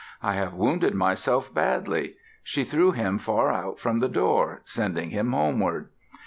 I have wounded myself badly." She threw him far out from the door, sending him homeward.